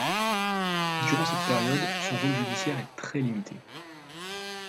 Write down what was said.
Durant cette période, son rôle judiciaire est très limité.